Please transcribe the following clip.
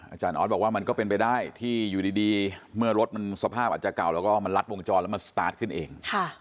อาจารย์ออสบอกว่ามันก็เป็นไปได้ที่อยู่ดีเมื่อรถมันสภาพอาจจะเก่าแล้วก็มันลัดวงจรแล้วมันสตาร์ทขึ้นเอง